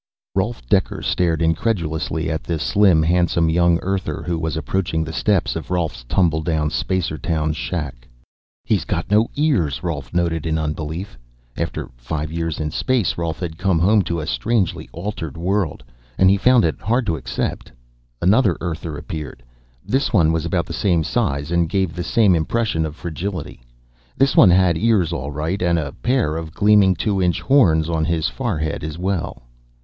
_ Rolf Dekker stared incredulously at the slim, handsome young Earther who was approaching the steps of Rolf's tumbling down Spacertown shack. He's got no ears, Rolf noted in unbelief. After five years in space, Rolf had come home to a strangely altered world, and he found it hard to accept. Another Earther appeared. This one was about the same size, and gave the same impression of fragility. This one had ears, all right and a pair of gleaming, two inch horns on his forehead as well.